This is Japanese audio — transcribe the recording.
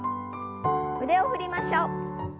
腕を振りましょう。